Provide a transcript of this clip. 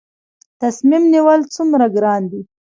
تصمیم نیول څومره ګران دي؟